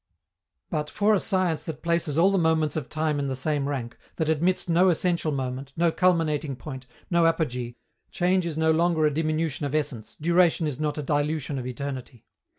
But, for a science that places all the moments of time in the same rank, that admits no essential moment, no culminating point, no apogee, change is no longer a diminution of essence, duration is not a dilution of eternity.